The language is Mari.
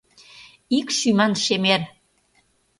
Ик шӱман шемер.